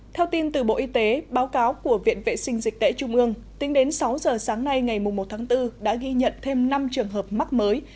theo tin từ bộ y tế báo cáo của viện vệ sinh dịch tễ trung ương tính đến sáu giờ sáng nay ngày một tháng bốn đã ghi nhận thêm năm trường hợp mắc mới